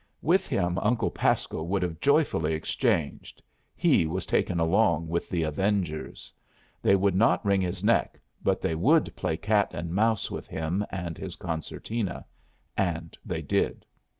With him Uncle Pasco would have joyfully exchanged. He was taken along with the avengers. They would not wring his neck, but they would play cat and mouse with him and his concertina; and they did.